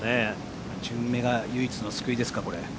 順目が唯一の救いですか。